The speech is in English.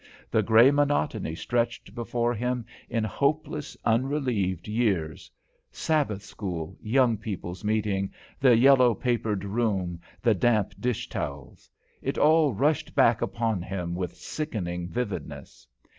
The grey monotony stretched before him in hopeless, unrelieved years; Sabbath school, Young People's Meeting, the yellow papered room, the damp dish towels; it all rushed back upon him with sickening vividness.